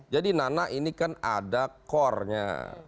jadi nana ini kan ada core nya